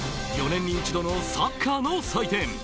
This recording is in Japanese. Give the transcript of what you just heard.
４年に一度のサッカーの祭典ＦＩＦＡ